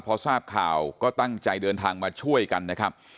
พอทราบข่าวก็ตั้งใจเดินทางมาช่วยกันนะครับ